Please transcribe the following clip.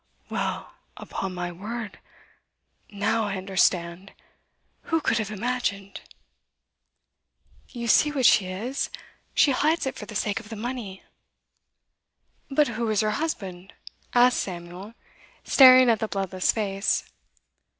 'Well! Upon my word! Now I understand. Who could have imagined!' 'You see what she is. She hides it for the sake of the money.' 'But who is her husband?' asked Samuel, staring at the bloodless face.